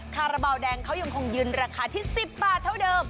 คาราบาลแดงเขายังคงยืนราคาที่๑๐บาทเท่าเดิม